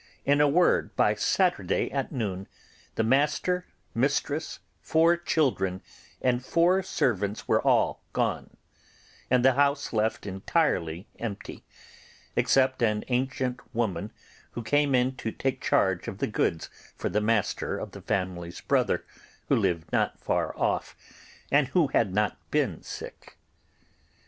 In a word, by Saturday at noon the master, mistress, four children, and four servants were all gone, and the house left entirely empty, except an ancient woman who came in to take charge of the goods for the master of the family's brother, who lived not far off, and who had not been sick.